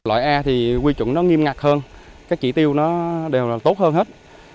loại a thì quy chuẩn nó nghiêm ngặt hơn các chỉ tiêu nó đều là tốt hơn hết